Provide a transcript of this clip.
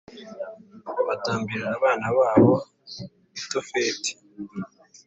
Batambira abana babo i Tofeti